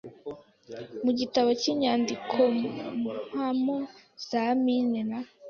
mu Gitabo cy Inyandikompamo za Mine na